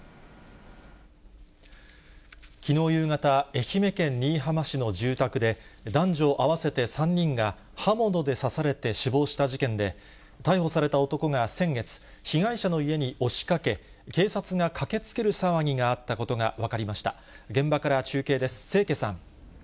きのう夕方、愛媛県新居浜市の住宅で、男女合わせて３人が、刃物で刺されて死亡した事件で、逮捕された男が先月、被害者の家に押しかけ、警察が駆けつける騒ぎがあったことが分かりました。